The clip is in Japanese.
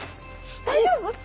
大丈夫？